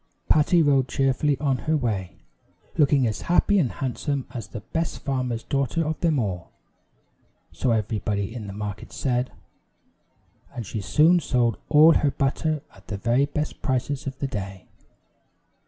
Patty rode cheerfully on her way, looking as happy and handsome as the best farmer's daughter of them all so everybody in the market said and she soon sold all her butter at the very best prices of the day.